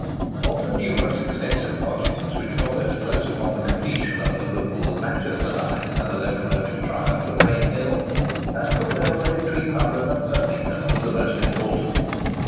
Of the numerous extensive projects which followed close upon the completion of the Liverpool and Manchester line, and the Locomotive triumph at Rainhill, that of a railway between London and Birmingham was the most important.